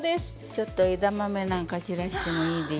ちょっと枝豆なんか散らしてもいいでしょ？